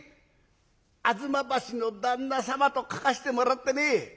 『吾妻橋の旦那様』と書かしてもらってね。